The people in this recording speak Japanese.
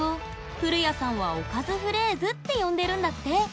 古谷さんは「おかずフレーズ」って呼んでるんだって！